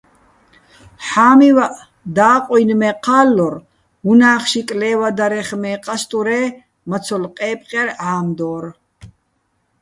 ჰ̦ა́მივაჸ და́ყუჲნი̆ მე ჴა́ლლორ, უ̂ნა́ხში კლე́ვადარეხ მე ყასტურე́, მაცოლ ყე́პყჲარ ჺა́მდო́რ.